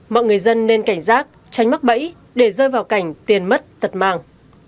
mọi người dân nên cảnh giác tránh mắc bẫy để rơi vào cảnh tiền mất tật màng